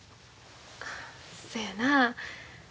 そやなあ。